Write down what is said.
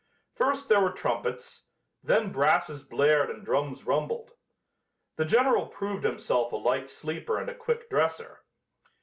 First there were trumpets; then brasses blared and drums rumbled. The General proved himself a light sleeper and a quick dresser.